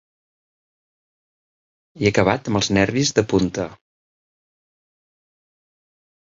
He acabat amb els nervis de punta.